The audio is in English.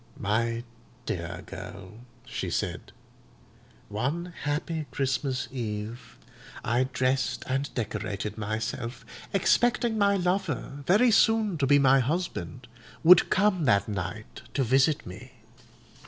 "My dear girl," she said, "one happy Christmas Eve I dressed and decorated myself, expecting my lover, very soon to be my husband, would come that night to visit me.